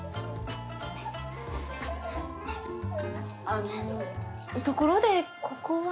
あのところでここは？